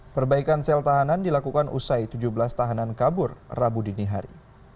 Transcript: perbaikan sel tahanan dilakukan usai tujuh belas tahanan kabur rabu dini hari